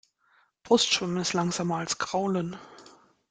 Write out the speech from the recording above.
Brustschwimmen ist langsamer als Kraulen.